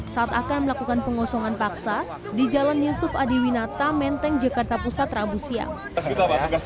saat akan melakukan pengosongan paksa di jalan yusuf adiwinata menteng jakarta pusat rabu siang